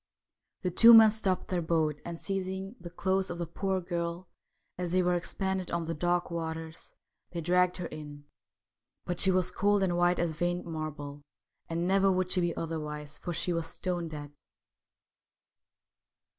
The two men stopped their boat, and, seizing the clothes of the poor girl as they were expanded on the dark waters, they dragged her in ; but she was cold THE WHITE WITCH OF THE RIVER 23 and white as veined marble, and never would she be other wise, for she was stone dead.